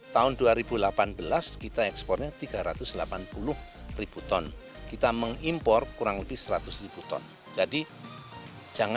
tahun dua ribu delapan belas kita ekspornya tiga ratus delapan puluh ribu ton kita mengimpor kurang lebih seratus ribu ton jadi